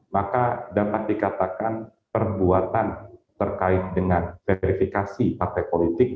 maka dapat dikatakan perbuatan terkait dengan verifikasi partai politik